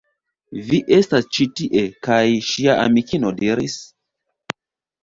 Vi estas ĉi tie! kaj ŝia amikino diris: